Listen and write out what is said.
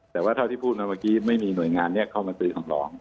แต่ว่าเท่าที่พูดมาเมื่อกี้ไม่มีหน่วยงานนี้เข้ามาสื่อสำรอง